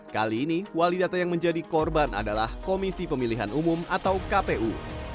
kali ini wali data yang menjadi korban adalah komisi pemilihan umum atau kpu